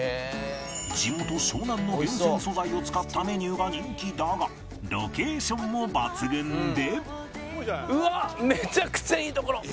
地元湘南の厳選素材を使ったメニューが人気だがロケーションも抜群で